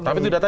tapi itu data